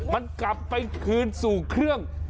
มันกลับไปคืนสู่เครื่อง